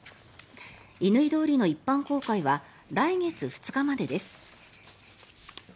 乾通りの一般公開は来月２日までです。